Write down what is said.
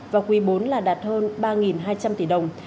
và quý bốn là đạt hơn ba hai trăm linh tỷ đồng